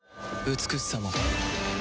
美しさも